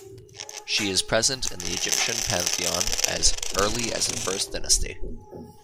She is present in the Egyptian pantheon as early as the First Dynasty.